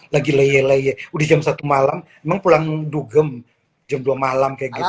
lagi leye leye udah jam satu malam emang pulang dugem jam dua malam kayak gitu